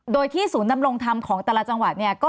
โดยที่ศูนย์ดำรงธรรมของแต่ละจังหวัดเนี่ย